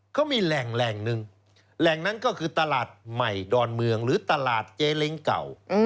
เขามีแหล่งหนึ่งแหล่งนั้นก็คือตลาดใหม่ดอนเมืองหรือตลาดเจ๊เล้งเก่า